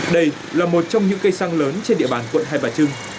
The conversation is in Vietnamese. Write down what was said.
đây là một trong những cây xăng lớn trên địa bàn quận hai bà trưng